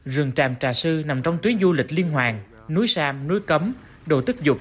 rừng tràm trà sư nằm trong tuyến du lịch liên hoàng núi sam núi cấm đồ tức dục